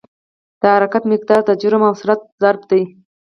د حرکت مقدار د جرم او سرعت ضرب دی.